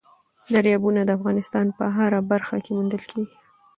دریابونه د افغانستان په هره برخه کې موندل کېږي.